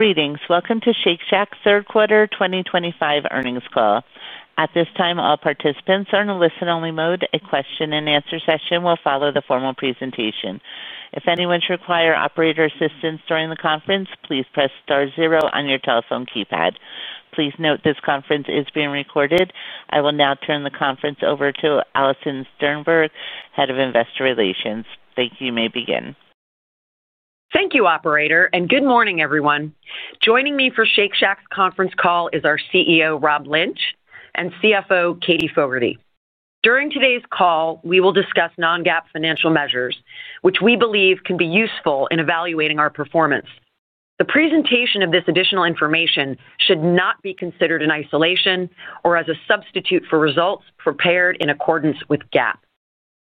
Greetings. Welcome to Shake Shack's third quarter 2025 earnings call. At this time, all participants are in a listen-only mode. A question and answer session will follow the formal presentation. If anyone should require operator assistance during the conference, please press star zero on your telephone keypad. Please note this conference is being recorded. I will now turn the conference over to Alison Sternberg, Head of Investor Relations. Thank you. You may begin. Thank you, operator, and good morning everyone. Joining me for Shake Shack's conference call is our CEO Rob Lynch and CFO Katie Fogertey. During today's call, we will discuss non-GAAP financial measures which we believe can be useful in evaluating our performance. The presentation of this additional information should not be considered in isolation or as a substitute for results prepared in accordance with GAAP.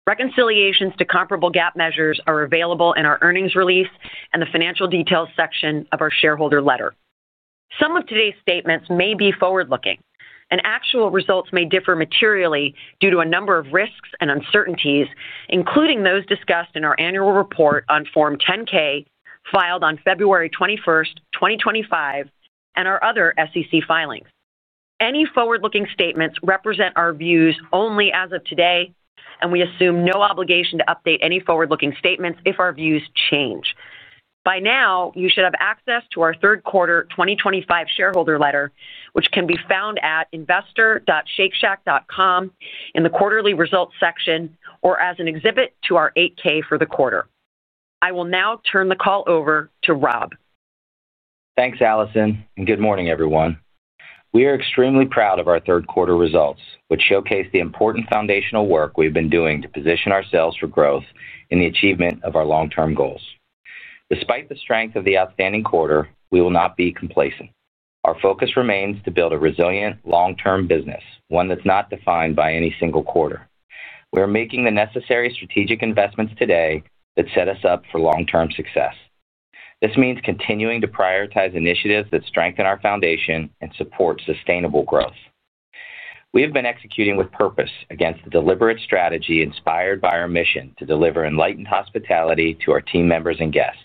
Reconciliations to comparable GAAP measures are available in our earnings release and the financial details section of our shareholder letter. Some of today's statements may be forward-looking and actual results may differ materially due to a number of risks and uncertainties, including those discussed in our annual report on Form 10-K filed on February 21, 2025, and our other SEC filings. Any forward-looking statements represent our views only as of today and we assume no obligation to update any forward-looking statements if our views change. By now, you should have access to our third quarter 2025 shareholder letter which can be found at investor.shakeshack.com in the quarterly results section or as an exhibit to our 8-K for the quarter. I will now turn the call over to Rob. Thanks Allison and good morning everyone. We are extremely proud of our third quarter results, which showcase the important foundational work we've been doing to position ourselves for the achievement of our long term goals. Despite the strength of the outstanding quarter, we will not be complacent. Our focus remains to build a resilient long term business, one that's not defined by any single quarter. We are making the necessary strategic investments today that set us up for long term success. This means continuing to prioritize initiatives that strengthen our foundation and support sustainable growth. We have been executing with purpose against the deliberate strategy inspired by our mission to deliver Enlightened Hospitality to our team members and guests.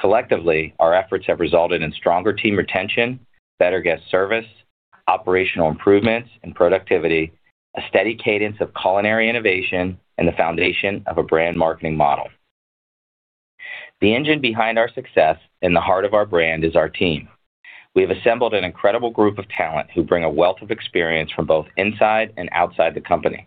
Collectively, our efforts have resulted in stronger team retention, better guest service, operational improvements and productivity, a steady cadence of culinary innovation, and the foundation of a brand marketing model. The engine behind our success and the heart of our brand is our team. We have assembled an incredible group of talent who bring a wealth of experience from both inside and outside the company.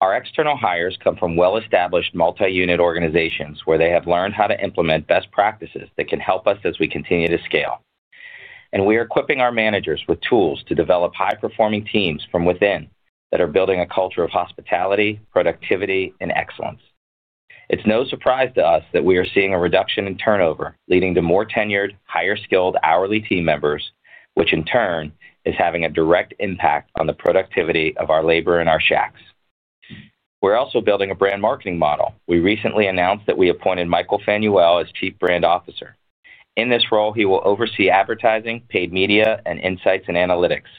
Our external hires come from well established multi unit organizations where they have learned how to implement best practices that can help us as we continue to scale, and we are equipping our managers with tools to develop high performing teams from within that are building a culture of hospitality, productivity, and excellence. It's no surprise to us that we are seeing a reduction in turnover, leading to more tenured, higher skilled hourly team members, which in turn is having a direct impact on the productivity of our labor in our shacks. We're also building a Brand Marketing Model. We recently announced that we appointed Michael Fanuel as Chief Brand Officer. In this role, he will oversee advertising, paid media, and insights and analytics,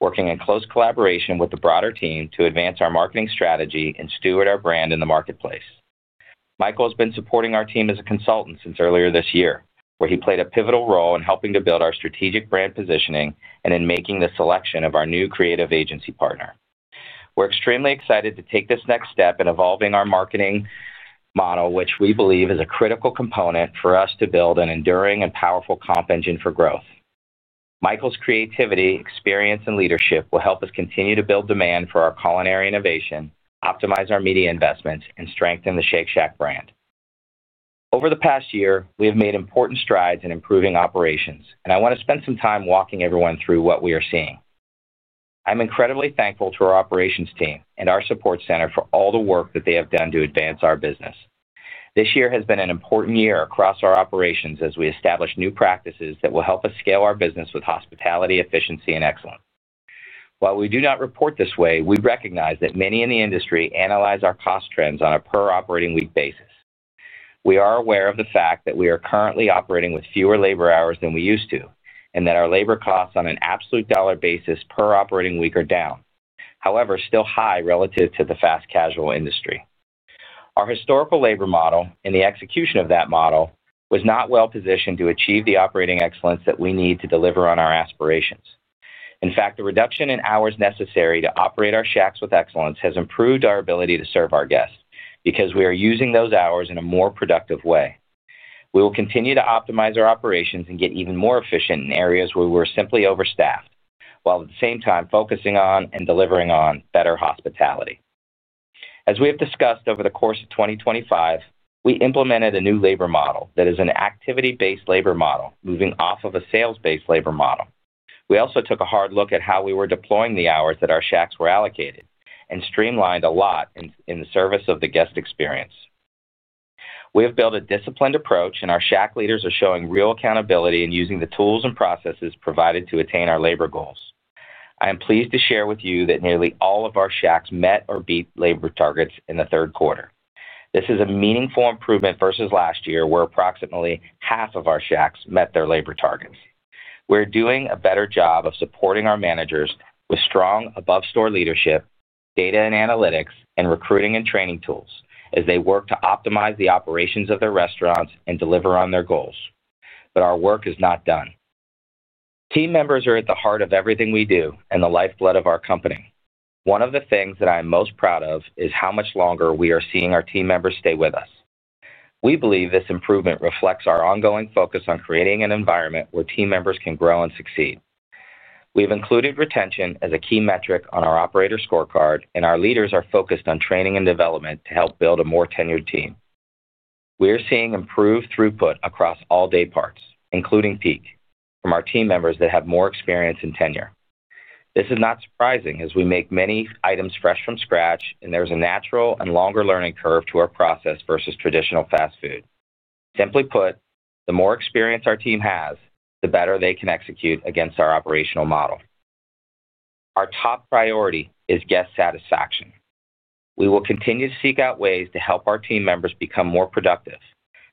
working in close collaboration with the broader team to advance our marketing strategy and steward our brand in the marketplace. Michael has been supporting our team as a consultant since earlier this year, where he played a pivotal role in helping to build our strategic brand positioning and in making the selection of our new creative agency partner. We're extremely excited to take this next step in evolving our marketing model, which we believe is a critical component for us to build an enduring and powerful comp engine for growth. Michael's creativity, experience, and leadership will help us continue to build demand for our culinary innovation, optimize our media investments, and strengthen the Shake Shack brand. Over the past year, we have made important strides in improving operations, and I want to spend some time walking everyone through what we are seeing. I'm incredibly thankful to our operations team and our support center for all the work that they have done to advance our business. This year has been an important year across our operations as we establish new practices that will help us scale our business with hospitality, efficiency, and excellence. While we do not report this way, we recognize that many in the industry analyze our cost trends on a per operating week basis. We are aware of the fact that we are currently operating with fewer labor hours than we used to and that our labor costs on an absolute dollar basis per operating week are down, however, still high relative to the fast-casual industry. Our historical labor model and the execution of that model was not well positioned to achieve the operating excellence that we need to deliver on our aspirations. In fact, the reduction in hours necessary to operate our shacks with excellence has improved our ability to serve our guests. Because we are using those hours in a more productive way, we will continue to optimize our operations and get even more efficient in areas where we're simply overstaffed, while at the same time focusing on and delivering on better hospitality. As we have discussed over the course of 2025, we implemented a new labor model that is an activity-based labor model, moving off of a sales-based labor model. We also took a hard look at how we were deploying the hours that our shacks were allocated and streamlined a lot in the service of the guest experience. We have built a disciplined approach, and our Shack leaders are showing real accountability in using the tools and processes provided to attain our labor goals. I am pleased to share with you that nearly all of our shacks met or beat labor targets in the third quarter. This is a meaningful improvement versus last year, where approximately half of our shacks met their labor targets. We are doing a better job of supporting our managers with strong above-store leadership, data and analytics, and recruiting and training tools as they work to optimize the operations of their restaurants and deliver on their goals. Our work is not done. Team members are at the heart of everything we do and the lifeblood of our company. One of the things that I am most proud of is how much longer we are seeing our team members stay with us. We believe this improvement reflects our ongoing focus on creating an environment where team members can grow and succeed. We have included retention as a key metric on our operator scorecard, and our leaders are focused on training and development to help build a more tenured team. We are seeing improved throughput across all dayparts, including peak, from our team members that have more experience and tenure. This is not surprising as we make many items fresh from scratch, and there's a natural and longer learning curve to our process versus traditional fast food. Simply put, the more experience our team has, the better they can execute against our operational model. Our top priority is guest satisfaction. We will continue to seek out ways to help our team members become more productive,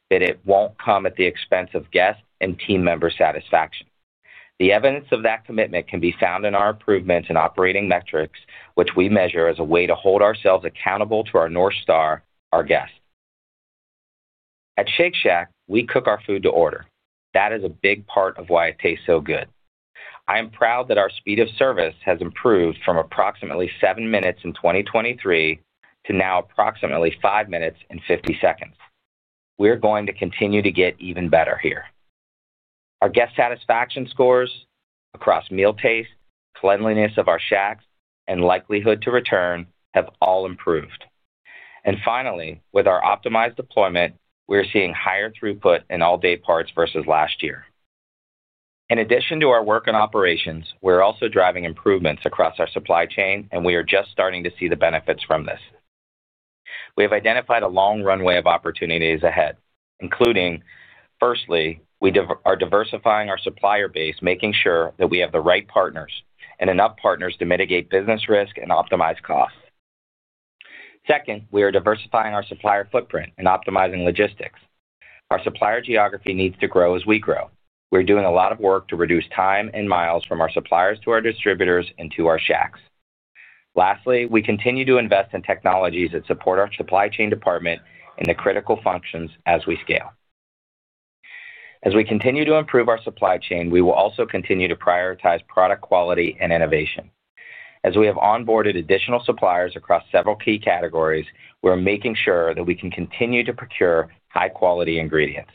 but it won't come at the expense of guest and team member satisfaction. The evidence of that commitment can be found in our improvements in operating metrics, which we measure as a way to hold ourselves accountable to our North Star, our guest. At Shake Shack, we cook our food to order. That is a big part of why it tastes so good. I am proud that our speed of service has improved from approximately seven minutes in 2023 to now approximately five minutes and 50 seconds. We're going to continue to get even better here. Our guest satisfaction scores across meal taste, cleanliness of our shacks, and likelihood to return have all improved. Finally, with our optimized deployment, we are seeing higher throughput in all dayparts versus last year. In addition to our work in operations, we're also driving improvements across our supply chain, and we are just starting to see the benefits from this. We have identified a long runway of opportunities ahead, including, firstly, we are diversifying our supplier base, making sure that we have the right partners and enough partners to mitigate business risk and optimize costs. Second, we are diversifying our supplier footprint and optimizing logistics. Our supplier geography needs to grow. As we grow, we're doing a lot of work to reduce time and miles from our suppliers to our distributors and to our shacks. Lastly, we continue to invest in technologies that support our supply chain department and the critical functions as we scale. As we continue to improve our supply chain, we will also continue to prioritize product quality and innovation. As we have onboarded additional suppliers across several key categories, we are making sure that we can continue to procure high-quality ingredients.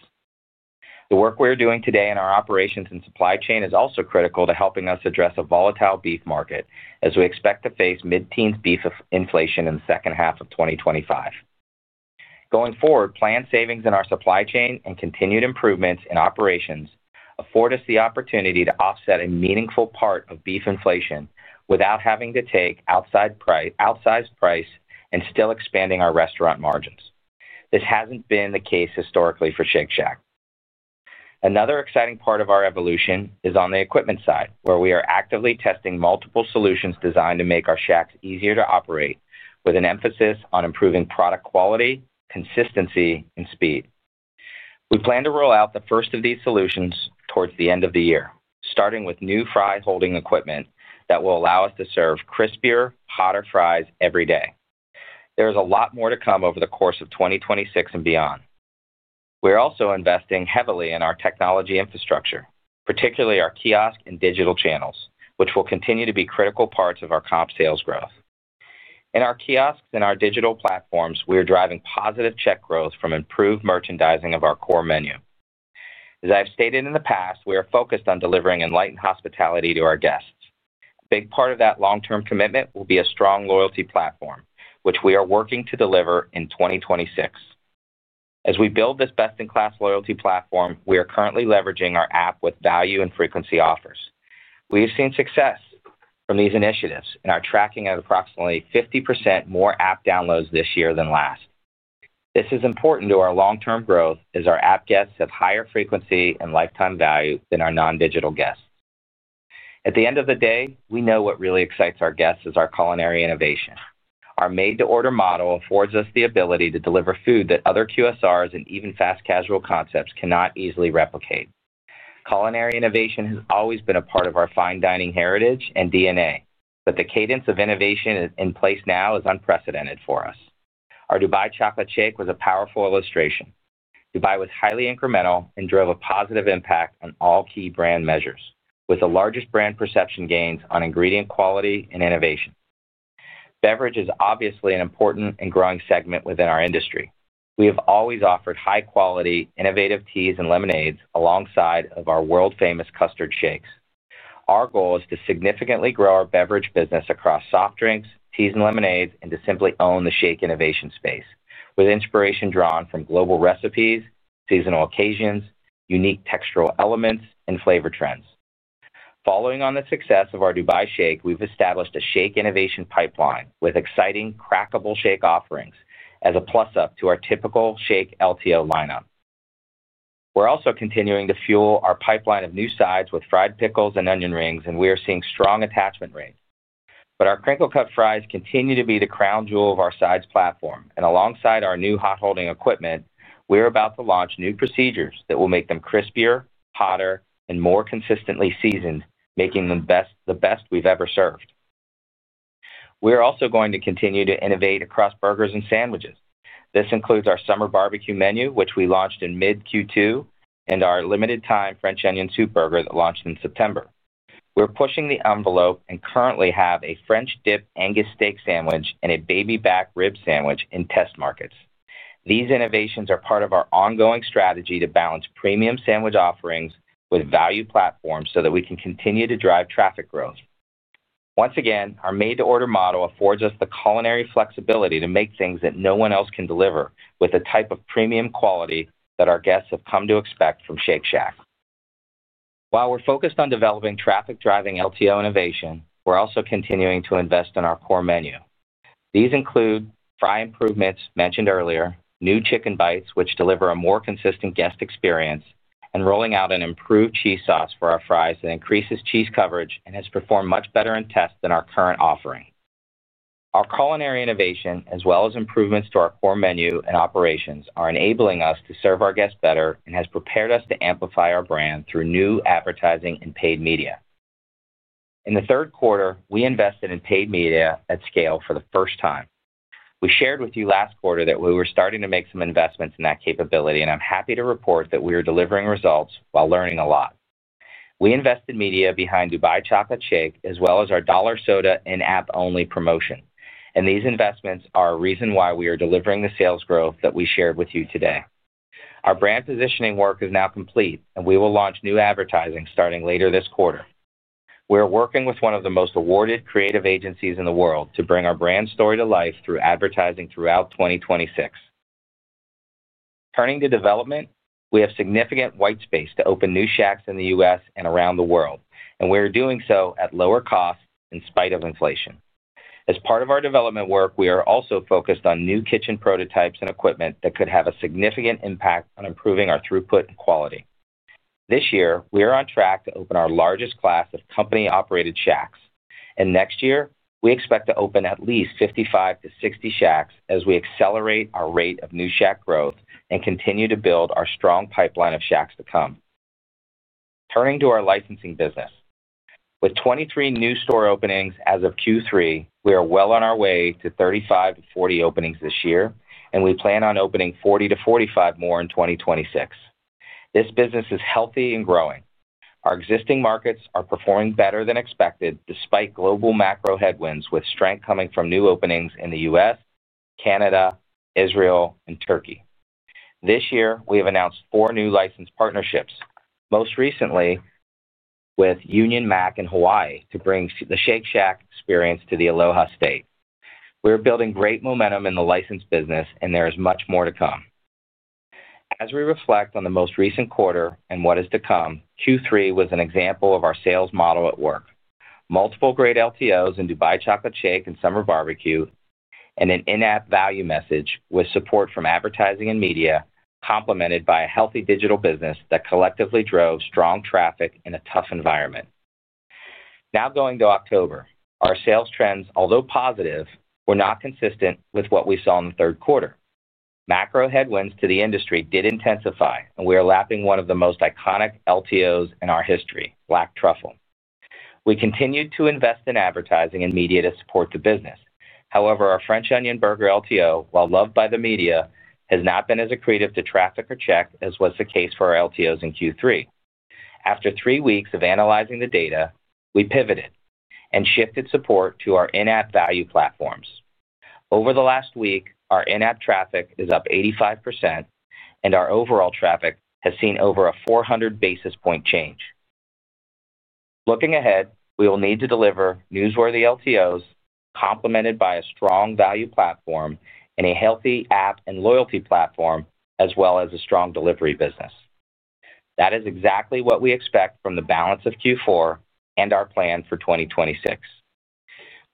The work we are doing today in our operations and supply chain is also critical to helping us address a volatile beef market as we expect to face mid-teens beef inflation in the second half of 2025. Going forward, planned savings in our supply chain and continued improvements in operations afford us the opportunity to offset a meaningful part of beef inflation without having to take outsized price and still expanding our restaurant margins. This hasn't been the case historically for Shake Shack. Another exciting part of our evolution is on the equipment side, where we are actively testing multiple solutions designed to make our shacks easier to operate, with an emphasis on improving product quality, consistency, and speed. We plan to roll out the first of these solutions towards the end of the year, starting with new fry holding equipment that will allow us to serve crispier, hotter fries every day. There is a lot more to come over the course of 2026 and beyond. We're also investing heavily in our technology infrastructure, particularly our kiosk and digital channels, which will continue to be critical parts of our comp sales growth in our kiosks and our digital platforms. We are driving positive check growth from improved merchandising of our core menu. As I've stated in the past, we are focused on delivering Enlightened Hospitality to our guests. A big part of that long-term commitment will be a strong loyalty platform, which we are working to deliver in 2026. As we build this best-in-class loyalty platform, we are currently leveraging our app with value and frequency offers. We've seen success from these initiatives and are tracking at approximately 50% more app downloads this year than last. This is important to our long-term growth as our app guests have higher frequency and lifetime value than our non-digital guests. At the end of the day, we know what really excites our guests is our culinary innovation. Our made-to-order model affords us the ability to deliver food that other QSRs and even fast-casual concepts cannot easily replicate. Culinary innovation has always been a part of our fine dining heritage and DNA, but the cadence of innovation in place now is unprecedented for us. Our Dubai Chocolate Shake was a powerful illustration. Dubai was highly incremental and drove a positive impact on all key brand measures, with the largest brand perception gains on ingredient quality and innovation. Beverage is obviously an important and growing segment within our industry. We have always offered high-quality, innovative teas and lemonades alongside our world-famous custard shakes. Our goal is to significantly grow our beverage business across soft drinks, teas, and lemonades and to simply own the Shake innovation space with inspiration drawn from global recipes, seasonal occasions, unique textural elements, and flavor trends. Following on the success of our Dubai Shake, we've established a Shake Innovation pipeline with exciting crackable Shake offerings as a plus-up to our typical Shake LTO lineup. We're also continuing to fuel our pipeline of new sides with fried pickles and onion rings, and we are seeing strong attachment rates. Our crinkle cut fries continue to be the crown jewel of our sides platform, and alongside our new hot holding equipment, we're about to launch new procedures that will make them crispier, hotter, and more consistently seasoned, making them the best we've ever served. We're also going to continue to innovate across burgers and sandwiches. This includes our summer barbecue menu, which we launched in mid Q2, and our limited-time French Onion Soup Burger that launched in September. We're pushing the envelope and currently have a French dip Angus steak sandwich and a baby back rib sandwich in test markets. These innovations are part of our ongoing strategy to balance premium sandwich offerings with value platforms so that we can continue to drive traffic growth once again. Our made-to-order model affords us the culinary flexibility to make things that no one else can deliver with the type of premium quality that our guests have come to expect from Shake Shack. While we're focused on developing traffic-driving LTO innovation, we're also continuing to invest in our core menu. These include fry improvements mentioned earlier, new chicken bites which deliver a more consistent guest experience, and rolling out an improved cheese sauce for our fries that increases cheese coverage and has performed much better in tests than our current offering. Our culinary innovation as well as improvements to our core menu and operations are enabling us to serve our guests better and has prepared us to amplify our brand through new advertising and paid media. In the third quarter, we invested in paid media at scale for the first time. We shared with you last quarter that we were starting to make some investments in that capability and I'm happy to report that we are delivering results while learning a lot. We invested media behind Dubai Chocolate Shake as well as our dollar soda and app-only promotion and these investments are a reason why we are delivering the sales growth that we shared with you today. Our brand positioning work is now complete and we will launch new advertising starting later this quarter. We are working with one of the most awarded creative agencies in the world to bring our brand story to life through advertising throughout 2026. Turning to development, we have significant white space to open new shacks in the U.S. and around the world and we are doing so at lower cost in spite of inflation. As part of our development work, we are also focused on new kitchen prototypes and equipment that could have a significant impact on improving our throughput and quality. This year we are on track to open our largest class of company-operated shacks and next year we expect to open at least 55 shacks to 60 shacks as we accelerate our rate of new shack growth and continue to build our strong pipeline of shacks to come. Turning to our licensing business, with 23 new store openings as of Q3, we are well on our way to 35 openings to 40 openings this year and we plan on opening 40 openings to 45 openings more in 2026. This business is healthy and growing. Our existing markets are performing better than expected despite global macro headwinds with strength coming from new openings in the U.S., Canada, Israel, and Turkey. This year we have announced four new license partnerships, most recently with Union Mak in Hawaii to bring the Shake Shack experience to the Aloha State. We are building great momentum in the license business and there is much more to come as we reflect on the most recent quarter and what is to come. Q3 was an example of our sales model at work. Multiple great LTOs in Dubai, Chocolate Shake and Summer Barbecue and an in-app value message with support from advertising and media complemented by a healthy digital business that collectively drove strong traffic in a tough environment. Now going to October, our sales trends, although positive, were not consistent with what we saw in the third quarter. Macro headwinds to the industry did intensify, and we are lapping one of the most iconic LTOs in our history, Black Truffle. We continued to invest in advertising and media to support the business. However, our French Onion Soup Burger LTO, while loved by the media, has not been as accretive to traffic or check as was the case for our LTOs in Q3. After three weeks of analyzing the data, we pivoted and shifted support to our in-app value platforms. Over the last week, our in-app traffic is up 85%, and our overall traffic has seen over a 400 basis point change. Looking ahead, we will need to deliver newsworthy LTOs complemented by a strong value platform and a healthy app and loyalty platform as well as a strong delivery business. That is exactly what we expect from the balance of Q4 and our plan for 2026.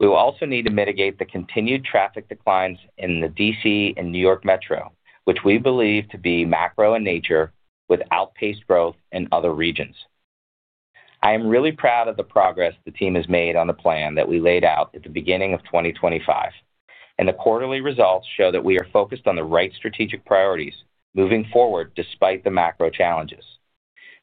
We will also need to mitigate the continued traffic declines in the Washington, D.C. and New York metro, which we believe to be macro in nature with outpaced growth in other regions. I am really proud of the progress the team has made on the plan that we laid out at the beginning of 2025, and the quarterly results show that we are focused on the right strategic priorities moving forward despite the macro challenges.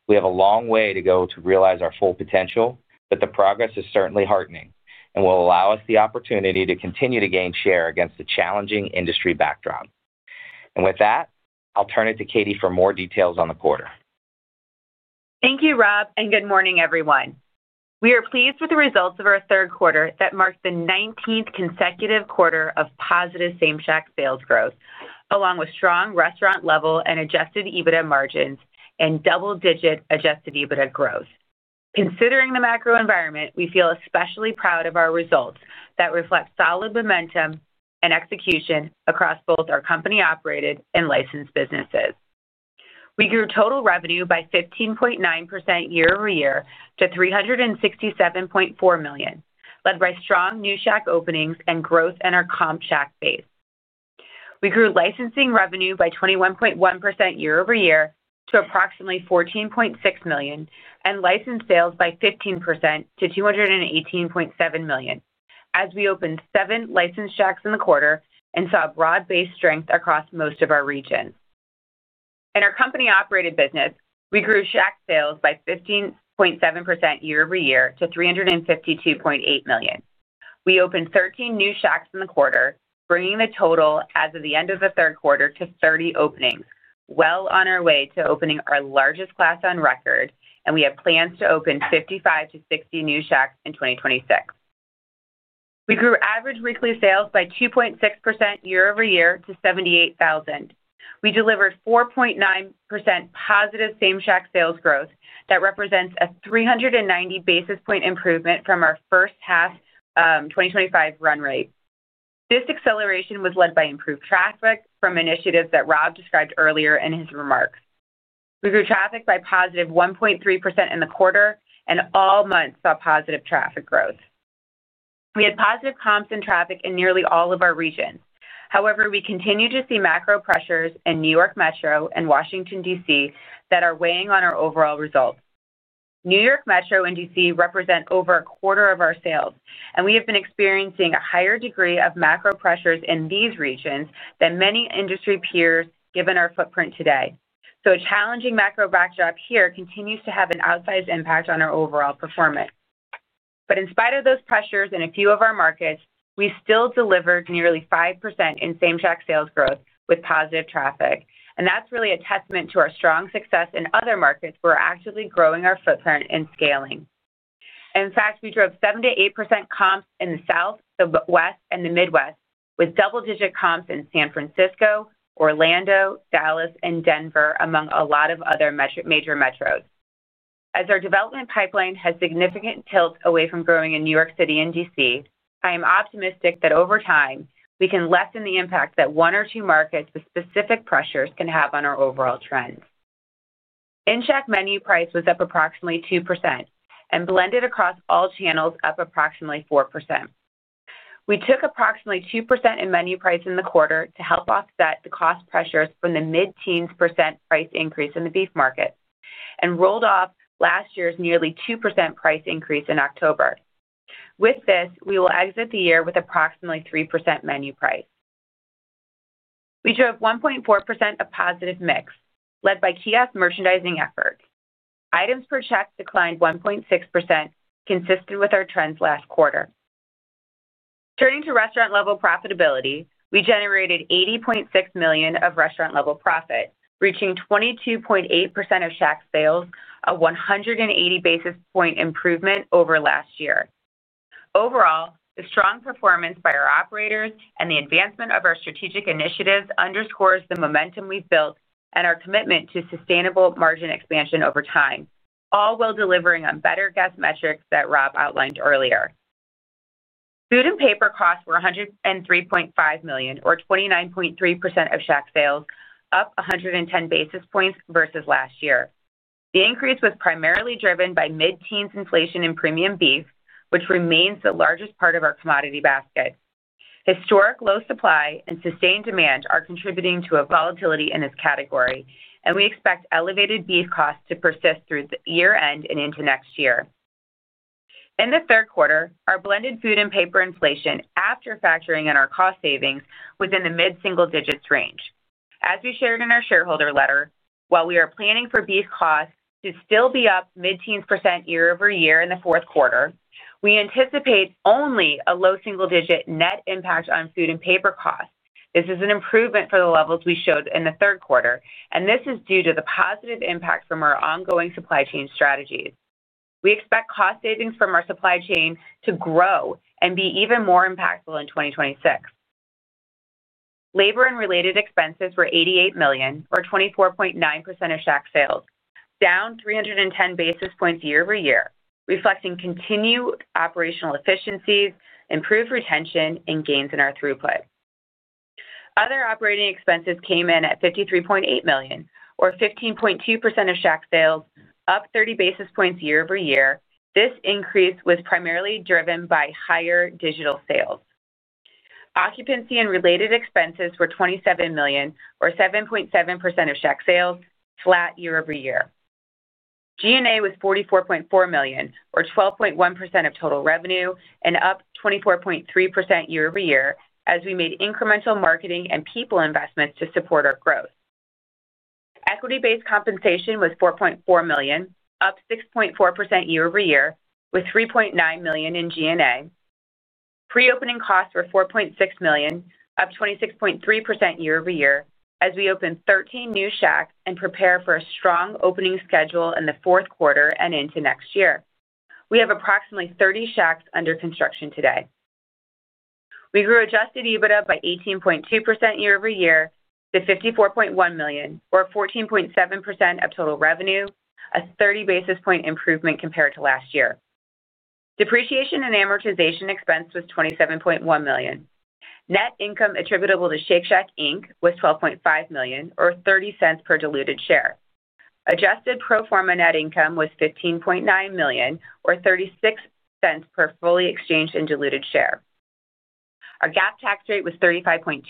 We have a long way to go to realize our full potential, but the progress is certainly heartening and will allow us the opportunity to continue to gain share against the challenging industry backdrop. I'll turn it to Katie for more details on the quarter. Thank you Rob and good morning everyone. We are pleased with the results of our third quarter that marked the 19th consecutive quarter of positive same-shack sales growth along with strong restaurant-level and adjusted EBITDA margins and double-digit adjusted EBITDA growth. Considering the macro environment, we feel especially proud of our results that reflect solid momentum and execution across both our company-operated and licensed businesses. We grew total revenue by 15.9% year-over-year to $367.4 million, led by strong new shack openings and growth in our comp shack base. We grew licensing revenue by 21.1% year-over-year to approximately $14.6 million and license sales by 15% to $218.7 million as we opened seven licensed shacks in the quarter and saw broad-based strength across most of our region. In our company-operated business, we grew shack sales by 15.7% year-over-year to $352.8 million. We opened 13 new shacks in the quarter, bringing the total as of the end of the third quarter to 30 openings, well on our way to opening our largest class on record, and we have plans to open 55 to 60 new shacks in 2026. We grew average weekly sales by 2.6% year-over-year to $78,000. We delivered 4.9% positive same-shack sales growth that represents a 390 basis point improvement from our first half 2025 run rate. This acceleration was led by improved traffic from initiatives that Rob described earlier in his remarks. We grew traffic by positive 1.3% in the quarter and all months saw positive traffic growth. We had positive comps in traffic in nearly all of our regions. However, we continue to see macro pressures in New York Metro and Washington, D.C. that are weighing on our overall results. New York Metro and D.C. represent over a quarter of our sales and we have been experiencing a higher degree of macro pressures in these regions than many industry peers given our footprint today. A challenging macro backdrop here continues to have an outsized impact on our overall performance. In spite of those pressures in a few of our markets, we still delivered nearly 5% in same-shack sales growth with positive traffic and that's really a testament to our strong success in other markets. We're actively growing our footprint and scaling. In fact, we drove 7% to 8% comps in the South, the West, and the Midwest with double-digit comps in San Francisco, Orlando, Dallas, and Denver among a lot of other major metros. As our development pipeline has significant tilt away from growing in New York City and Washington, D.C., I am optimistic that over time we can lessen the impact that one or two markets with specific pressures can have on our overall trends in Shack. Menu price was up approximately 2% and blended across all channels up approximately 4%. We took approximately 2% in menu price in the quarter to help offset the cost pressures from the mid-teens % price increase in the beef market and rolled off last year's nearly 2% price increase in October. With this, we will exit the year with approximately 3% menu price. We drove 1.4% of positive mix led by kiosk merchandising effort. Items per check declined 1.6%, consistent with our trends last quarter. Turning to restaurant-level profitability, we generated $80.6 million of restaurant-level profit, reaching 22.8% of Shack sales, a 180 basis point improvement over last year. Overall, the strong performance by our operators and the advancement of our strategic initiatives underscores the momentum we've built and our commitment to sustainable margin expansion over time, all while delivering on better guest metrics that Rob outlined earlier. Food and paper costs were $103.5 million or 29.3% of Shack sales, up 110 basis points versus last year. The increase was primarily driven by mid-teens inflation in premium beef, which remains the largest part of our commodity basket. Historic low supply and sustained demand are contributing to a volatility in this category, and we expect elevated beef costs to persist through year end and into next year. In the third quarter, our blended food and paper inflation after factoring in our cost savings was in the mid-single digits range as we shared in our shareholder letter. While we are planning for beef costs to still be up mid-teens percent year-over-year in the fourth quarter, we anticipate only a low single-digit net impact on food and paper costs. This is an improvement from the levels we showed in the third quarter, and this is due to the positive impact from our ongoing supply chain strategies. We expect cost savings from our supply chain to grow and be even more impactful in 2026. Labor and related expenses were $88 million or 24.9% of Shack sales, down 310 basis points year-over-year, reflecting continued operational efficiencies, improved retention, and gains in our throughput. Other operating expenses came in at $53.8 million or 15.2% of Shack sales, up 30 basis points year-over-year. This increase was primarily driven by higher digital sales. Occupancy and related expenses were $27 million or 7.7% of Shack sales, flat year-over-year. G&A was $44.4 million or 12.1% of total revenue and up 24.3% year-over- year as we made incremental marketing and people investments to support our growth. Equity-based compensation was $4.4 million, up 6.4% year-over-year, with $3.9 million in G&A. Pre-opening costs were $4.6 million, up 26.3% year-over-year as we opened 13 new Shacks and prepare for a strong opening schedule in the fourth quarter and into next year. We have approximately 30 Shacks under construction today. We grew adjusted EBITDA by 18.2% year-over-year to $54.1 million or 14.7% of total revenue, a 30 basis point improvement compared to last year. Depreciation and amortization expense was $27.1 million. Net income attributable to Shake Shack Inc. was $12.5 million or $0.30 per diluted share. Adjusted pro forma net income was $15.9 million or $0.36 per fully exchanged and diluted share. Our GAAP tax rate was 35.2%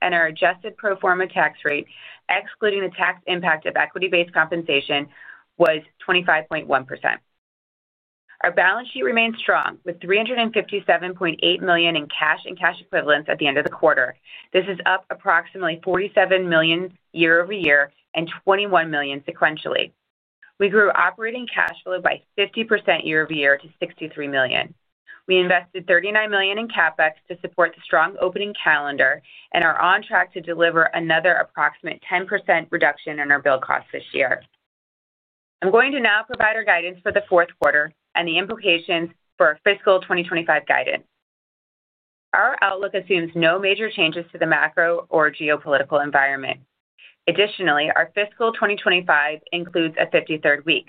and our adjusted pro forma tax rate, excluding the tax impact of equity-based compensation, was 25.1%. Our balance sheet remains strong with $357.8 million in cash and cash equivalents at the end of the quarter. This is up approximately $47 million year-over-year and $21 million sequentially. We grew operating cash flow by 50% year-over-year to $63 million. We invested $39 million in CapEx to support the strong opening calendar and are on track to deliver another approximate 10% reduction in our build costs this year. I'm going to now provide our guidance for the fourth quarter and the implications for our fiscal 2025 guidance. Our outlook assumes no major changes to the macro or geopolitical environment. Additionally, our fiscal 2025 includes a 53rd week.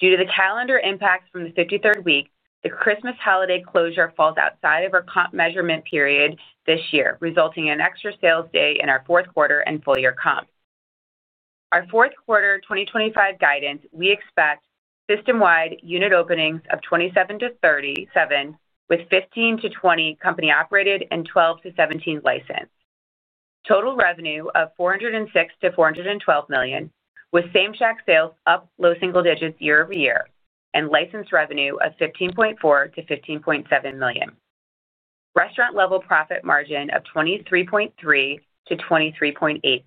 Due to the calendar impacts from the 53rd week, the Christmas holiday closure falls outside of our comp measurement period this year, resulting in an extra sales day in our fourth quarter and full year comp. For our fourth quarter 2025 guidance, we expect system-wide unit openings of 27 to 37, with 15 to 20 company-operated and 12 to 17 licensed. Total revenue of $406 to $412 million with same-shack sales up low single digits year-over-year and licensing revenue of $15.4 million to $15.7 million. Restaurant level profit margin of 23.3% to 23.8%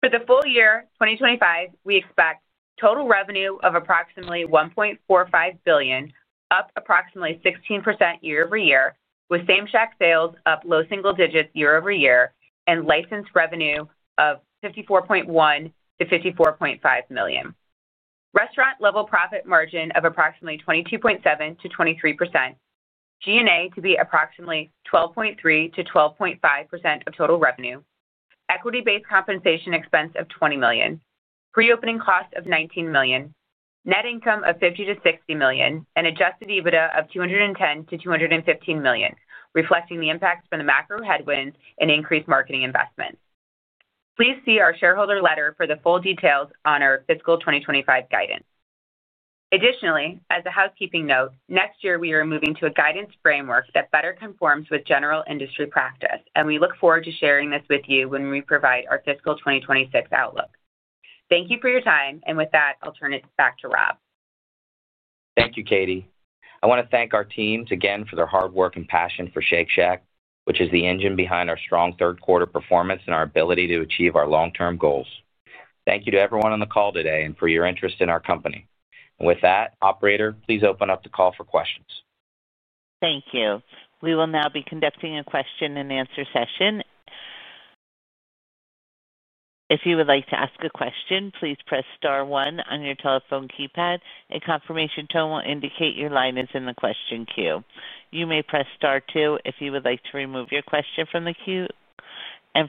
for the full year 2025. We expect total revenue of approximately $1.45 billion, up approximately 16% year-over-year, with same-shack sales up low single digits year-over-year and licensing revenue of $54.1 million to $54.5 million. Restaurant level profit margin of approximately 22.7% to 23%. G&A to be approximately 12.3% to 12.5% of total revenue, equity-based compensation expense of $20 million, reopening cost of $19 million, net income of $50 to $60 million, and adjusted EBITDA of $210 million to $215 million, reflecting the impact from the macro headwinds and an increase in marketing investment. Please see our shareholder letter for the full details on our fiscal 2025 guidance. Additionally, as a housekeeping note, next year we are moving to a guidance framework that better conforms with general industry practice, and we look forward to sharing this with you when we provide our fiscal 2026 outlook. Thank you for your time, and with that I'll turn it back to Rob. Thank you, Katie. I want to thank our teams again for their hard work and passion for Shake Shack, which is the engine behind our strong third quarter performance and our ability to achieve our long term goals. Thank you to everyone on the call today and for your interest in our company. With that, operator, please open up the call for questions. Thank you. We will now be conducting a question and answer session. If you would like to ask a question, please press star one on your telephone keypad. A confirmation tone will indicate your line is in the question queue. You may press star two if you would like to remove your question from the queue.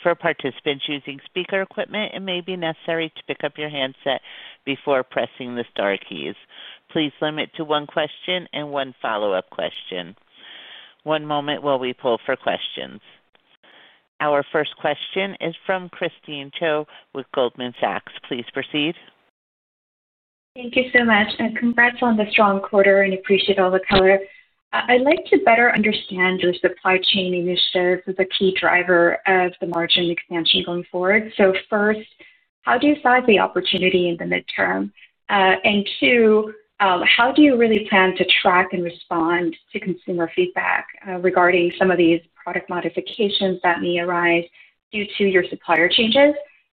For participants using speaker equipment, it may be necessary to pick up your handset before pressing the star keys. Please limit to one question and one follow up question. One moment while we poll for questions. Our first question is from Christine Cho with Goldman Sachs. Please proceed. Thank you so much. Congrats on the strong quarter and appreciate all the color. I'd like to better understand your supply chain initiatives as a key driver of the margin expansion going forward. First, how do you size the opportunity in the midterm? Two, how do you really plan to track and respond to consumer feedback regarding some of these product modifications that may arise due to your supplier changes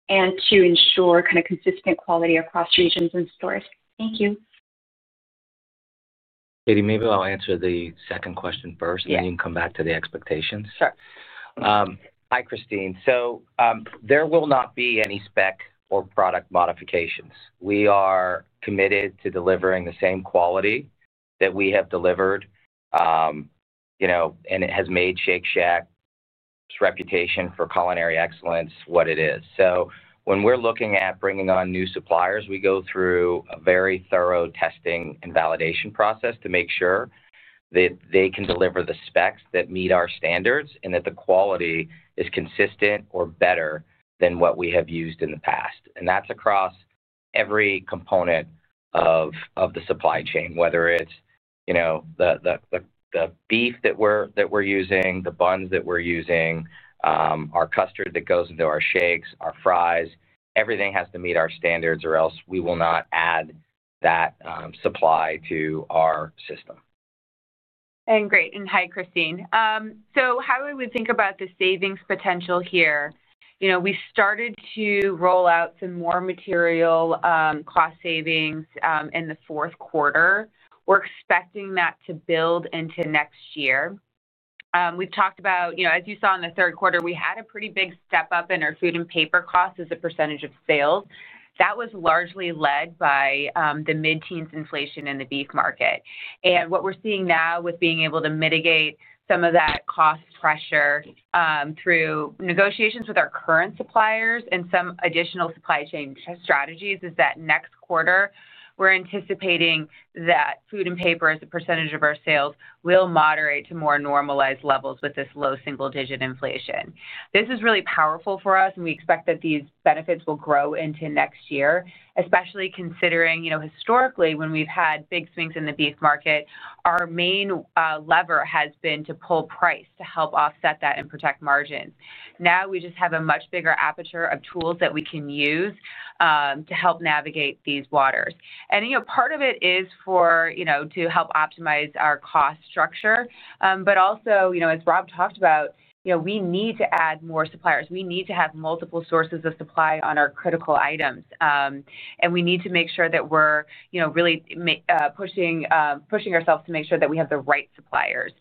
and to ensure kind of consistent quality across regions and stores? Thank you. Maybe I'll answer the second question first and then you can come back to the expectations. Sure. Hi Christine. There will not be any spec or product modifications. We are committed to delivering the same quality that we have delivered and it has made Shake Shack's reputation for culinary excellence what it is. When we're looking at bringing on new suppliers, we go through a very thorough testing and validation process to make sure that they can deliver the specs that meet our standards and that the quality is consistent or better than what we have used in the past. That's across every component of the supply chain. Whether it's the beef that we're using, the buns that we're using, our custard that goes into our shakes, our fries, everything has to meet our standards or else we will not add that supply to our system. Great. Hi Christine. How we would think about the savings potential here? We started to roll out some more material cost savings in the fourth quarter. We're expecting that to build into next year. We've talked about, as you saw in the third quarter, we had a pretty big step up in our food and paper costs as a percentage of sales. That was largely led by the mid-teens inflation in the beef market. What we're seeing now with being able to mitigate some of that cost pressure through negotiations with our current suppliers and some additional supply chain strategies is that next quarter we're anticipating that food and paper as a percentage of our sales will moderate to more normalized levels with this low single-digit inflation. This is really powerful for us and we expect that these benefits will grow into next year. Especially considering, historically when we've had big swings in the beef market, our main lever has been to pull price to help offset that and protect margins. Now we just have a much bigger aperture of tools that we can use to help navigate these waters. Part of it is to help optimize our cost structure. Also, as Rob talked about, we need to add more suppliers, we need to have multiple sources of supply on our critical items, and we need to make sure that we're really pushing ourselves to make sure that we have the right suppliers.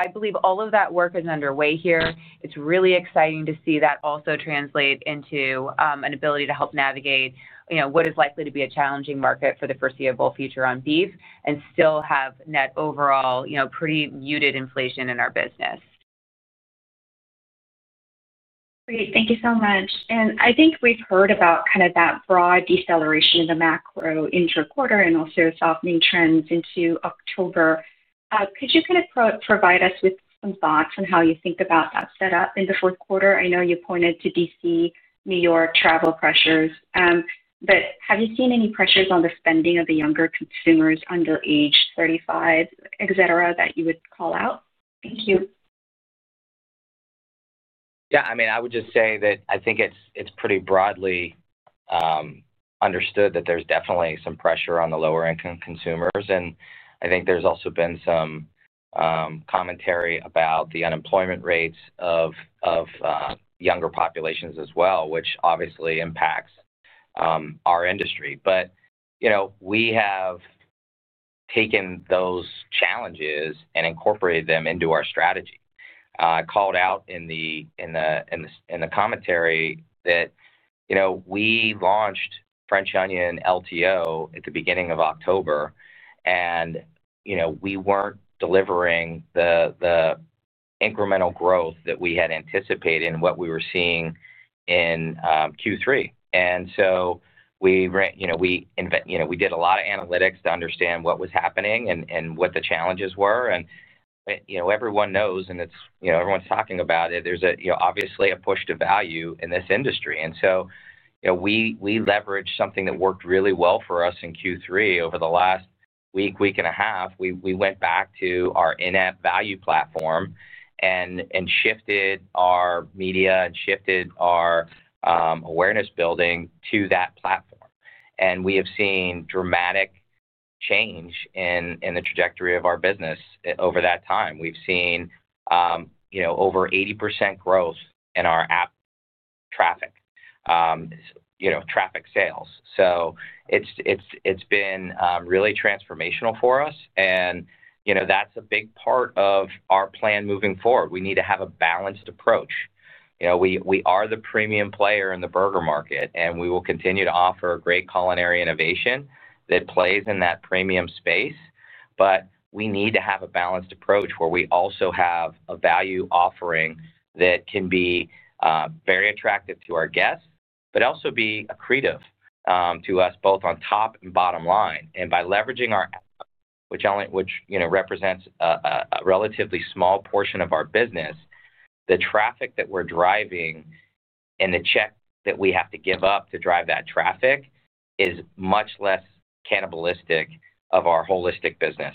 I believe all of that work is underway here. It's really exciting to see that also translate into an ability to help navigate what is likely to be a challenging market for the foreseeable future on beef and still have net overall pretty muted inflation in our business. Great, thank you so much. I think we've heard about kind of that broad deceleration in the macro intra-quarter and also softening trends into October. Could you provide us with some thoughts on how you think about that set up in the fourth quarter? I know you pointed to D.C., New York travel pressures, but have you seen any pressures on the spending of the younger consumers under age 35, etc., that you would call out? Thank you. Yeah, I mean, I would just say that I think it's pretty broadly understood that there's definitely some pressure on the lower income consumers. I think there's also been some commentary about the unemployment rates of younger populations as well, which obviously impacts our industry. We have taken those challenges and incorporated them into our strategy. Called out in the commentary that we launched French Onion LTO at the beginning of October and we weren't delivering the incremental growth that we had anticipated and what we were seeing in Q3. We did a lot of analytics to understand what was happening and what the challenges were. Everyone knows and everyone's talking about it. There's obviously a push to value in this industry. We leveraged something that worked really well for us in Q3 over the last week, week and a half. We went back to our in-app value platform and shifted our media and shifted our awareness building to that platform. We have seen dramatic change in the trajectory of our business over that time. We've seen over 80% growth in our app traffic, traffic sales. It's been really transformational for us and that's a big part of our plan moving forward. We need to have a balanced approach. We are the premium player in the burger market and we will continue to offer great culinary innovation that plays in that premium space. We need to have a balanced approach where we also have a value offering that can be very attractive to our guests, but also be accretive to us both on top and bottom line. By leveraging our, which represents a relatively small portion of our business, the traffic that we're driving and the check that we have to give up to drive that traffic is much less cannibalistic of our holistic business.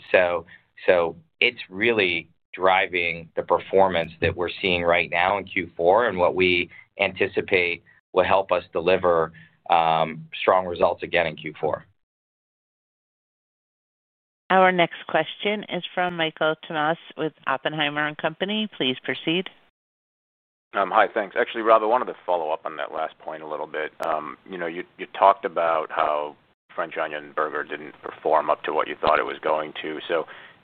It's really driving the performance that we're seeing right now in Q4 and what we anticipate will help us deliver strong results again in Q4. Our next question is from Michael Tamas with Oppenheimer & Company. Please proceed. Hi. Thanks. Actually, Rob, I wanted to follow up on that last point a little bit. You know, you talked about how French Onion Burger didn't perform up to what you thought it was going to.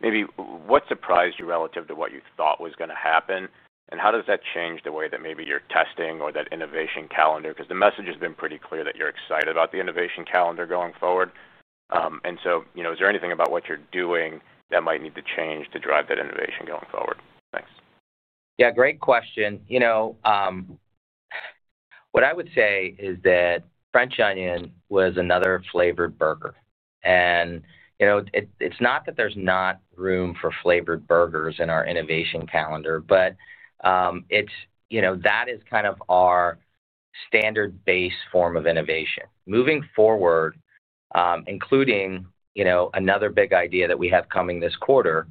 Maybe what surprised you relative to what you thought was going to happen? How does that change the way that maybe you're testing or that innovation calendar? The message has been pretty clear that you're excited about the innovation calendar going forward. Is there anything about what you're doing that might need to change to drive that innovation going forward? Thanks. Yeah, great question. What I would say is that French Onion was another flavored burger. It's not that there's not room for flavored burgers in our innovation calendar, but that is kind of our standard base form of innovation moving forward, including another big idea that we have coming this quarter.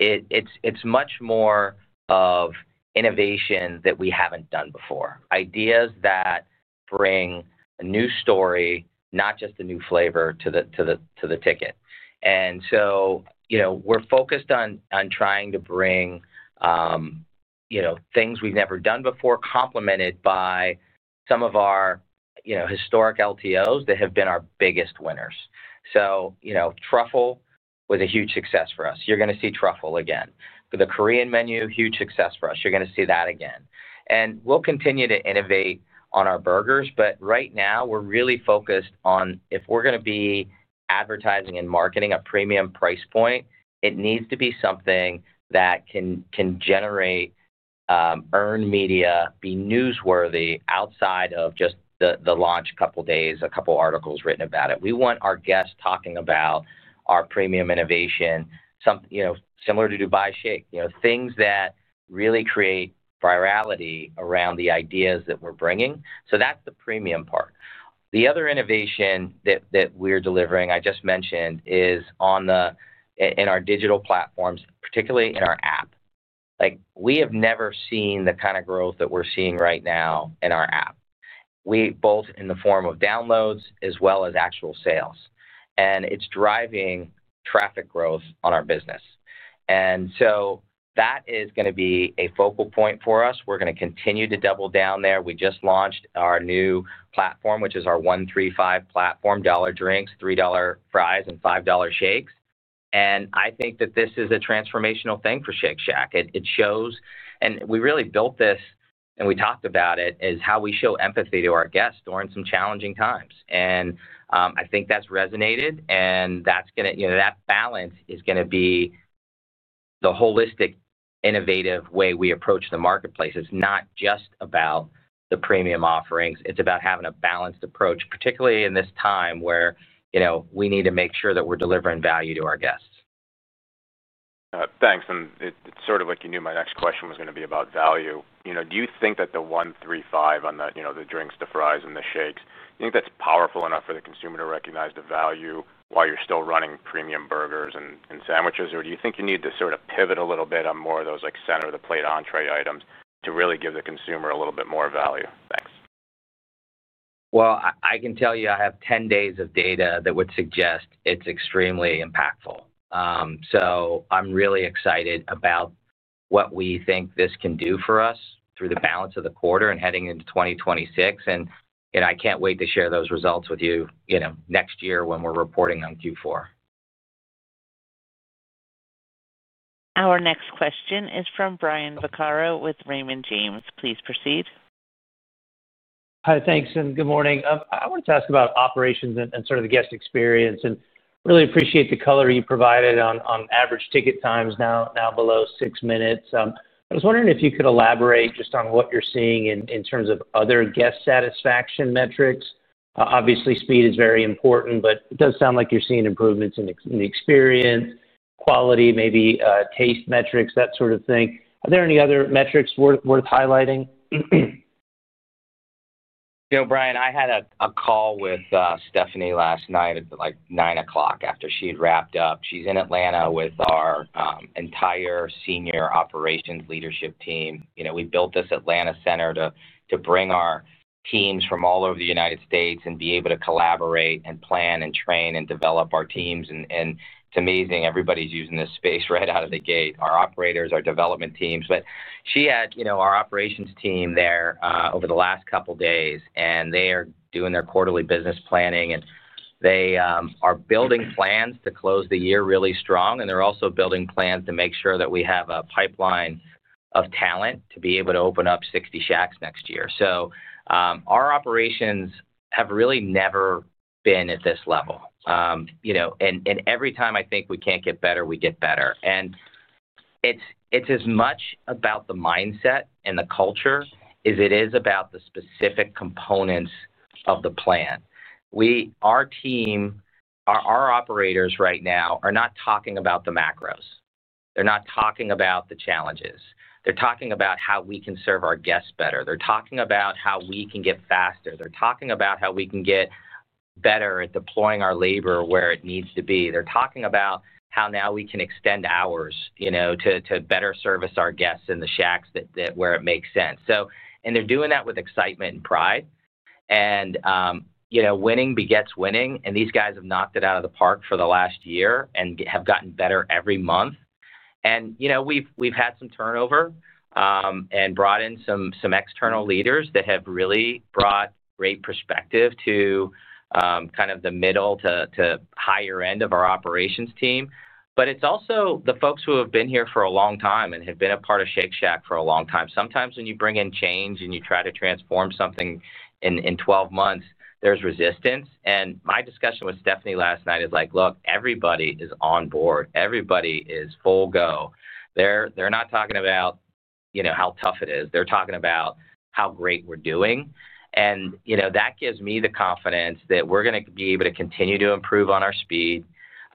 It's much more of innovation that we haven't done before, ideas that bring a new story, not just a new flavor to the ticket. We're focused on trying to bring things we've never done before, complemented by some of our historic LTOs that have been our biggest winners. Truffle was a huge success for us. You're going to see truffle again for the Korean menu. Huge success for us. You're going to see that again and we'll continue to innovate on our burgers. Right now we're really focused on if we're going to be advertising and marketing a premium price point, it needs to be something that can generate, earn media, be newsworthy outside of just the launch, a couple days, a couple articles written about it. We want our guests talking about our premium innovation similar to Dubai Shake, things that really create virality around the ideas that we're bringing. That's the premium part. The other innovation that we're delivering, I just mentioned, is in our digital platforms, particularly in our app. We have never seen the kind of growth that we're seeing right now in our app, both in the form of downloads as well as actual sales, and it's driving traffic growth on our business. That is going to be a focal point for us. We're going to continue to double down there. We just launched our new platform, which is our “1-3-5” platform $1 drinks, $3 fries, and $5 shakes. I think that this is a transformational thing for Shake Shack. It shows, and we really built this and we talked about it, is how we show empathy to our guests during some challenging times. I think that's resonated and that's going to, you know, that balance is going to be the holistic, innovative way we approach the marketplace. It's not just about the premium offerings. It's about having a balanced approach, particularly in this time where, you know, we need to make sure that we're delivering value to our guests. Thanks. It's sort of like you knew my next question was going to be about value. Do you think that the “1-3-5” on the drinks, the fries, and the shakes, do you think that's powerful enough for the consumer to recognize the value while you're still running premium burgers and sandwiches, or do you think you need to sort of pivot a little bit on more of those, like center of the plate entree items to really give the consumer a little bit more value? Thanks. I can tell you I have 10 days of data that would suggest it's extremely impactful. I'm really excited about what we think this can do for us through the balance of the quarter and heading into 2026. I can't wait to share those results with you next year when we're reporting on Q4. Our next question is from Brian Vaccaro with Raymond James. Please proceed. Hi. Thanks and good morning. I wanted to ask about operations and sort of the guest experience and really appreciate the color you provided. On average, ticket times now below six minutes. I was wondering if you could elaborate just on what you're seeing in terms of other guest satisfaction metrics. Obviously, speed is very important, but it does sound like you're seeing improvements in the experience, quality, maybe taste metrics, that sort of thing. Are there any other metrics worth highlighting? Brian, I had a call with Stephanie last night at like 9:00 P.M. after she had wrapped up. She's in Atlanta with our entire Senior Operations Leadership team. You know, we built this Atlanta center to bring our teams from all over the United States and be able to collaborate and plan and train and develop our teams. It's amazing. Everybody's using this space right out of the gate, our operators, our development teams. She had our operations team there over the last couple days, and they are doing their quarterly business planning, and they are building plans to close the year really strong. They're also building plans to make sure that we have a pipeline of talent to be able to open up 60 shacks next year. Our operations have really never been at this level, you know, and every time I think we can't get better, we get better. It's as much about the mindset and the culture as it is about the specific components of the plan. Our team, our operators right now are not talking about the macro headwinds. They're not talking about the challenges. They're talking about how we can serve our guests better. They're talking about how we can get faster. They're talking about how we can get better at deploying our labor where it needs to be. They're talking about how now we can extend hours to better service our guests in the shacks where it makes sense. They're doing that with excitement and pride, and winning begets winning. These guys have knocked it out of the park for the last year and have gotten better every month. We've had some turnover and brought in some external leaders that have really brought great perspective to kind of the middle to higher end of our operations team. It's also the folks who have been here for a long time and have been a part of Shake Shack for a long time. Sometimes when you bring in change and you try to transform something in 12 months, there's resistance. My discussion with Stephanie last night is like, look, everybody is on board. Everybody is full go. They're not talking about how tough it is. They're talking about how great we're doing. That gives me the confidence that we're going to be able to continue to improve on our speed.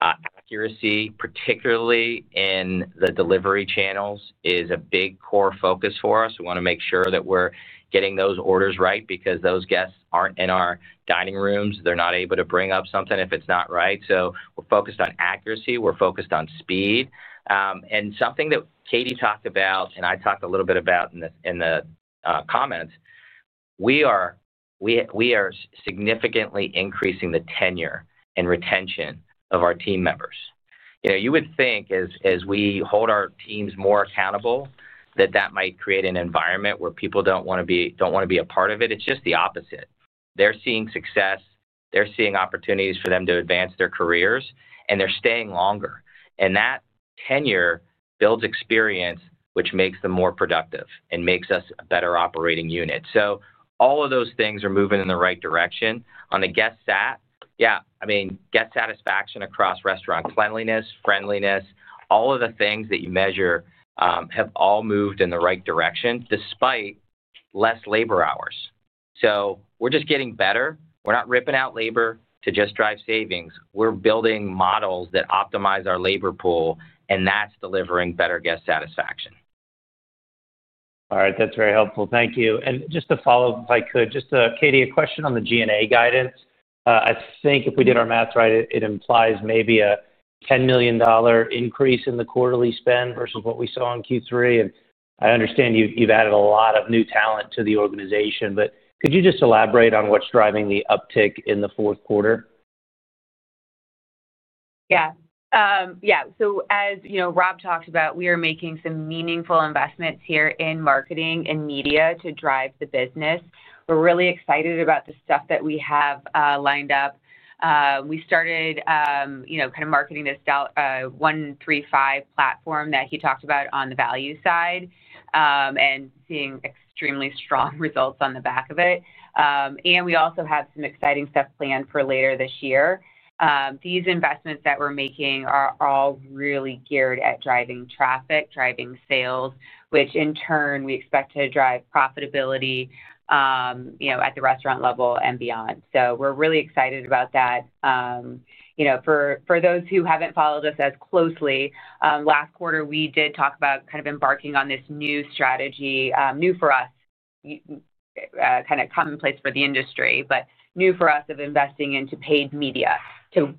Accuracy, particularly in the delivery channels, is a big core focus for us. We want to make sure that we're getting those orders right because those guests aren't in our dining rooms. They're not able to bring up something if it's not right. We're focused on accuracy. We're focused on speed. Something that Katie talked about and I talked a little bit about in the comments, we are significantly increasing the tenure and retention of our team members. You would think, as we hold our teams more accountable, that might create an environment where people don't want to be a part of it. It's just the opposite. They're seeing success, they're seeing opportunities for them to advance their careers, and they're staying longer. That tenure builds experience, which makes them more productive and makes us a better operating unit. All of those things are moving in the right direction on the guest sat. Yeah. I mean, guest satisfaction across restaurant, cleanliness, friendliness, all of the things that you measure have all moved in the right direction, despite less labor hours. We're just getting better. We're not ripping out labor to just drive savings. We're building models that optimize our labor pool, and that's delivering better guest satisfaction. All right, that's very helpful. Thank you. Just to follow up, if I could, Katie, a question on the G&A guidance. I think if we did our math right, it implies maybe a $10 million increase in the quarterly spend versus what we saw in Q3. I understand you've added a lot of new talent to the organization, but could you just elaborate on what's driving the uptick in the fourth quarter? Yeah. As you know, Rob talked about, we are making some meaningful investments here in marketing and media to drive the business. We're really excited about the stuff that we have lined up. We started marketing this one platform that he talked about on the value side and seeing extremely strong results on the back of it. We also have some exciting stuff planned for later this year. These investments that we're making are all really geared at driving traffic, driving sales, which in turn, we expect to drive profitability at the restaurant level and beyond. We're really excited about that. For those who haven't followed us as closely last quarter, we did talk about embarking on this new strategy. New for us, kind of commonplace for the industry, but new for us, of investing into paid media to